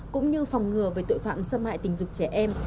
cũng như phòng ngừa về tội phạm xâm hại tình dục trẻ em